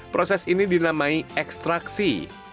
proses ini dinamai ekstraksi